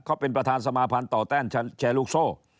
เขาเป็นประธานสมาภัณฑ์ต่อแตนแชร์ลูกโซ่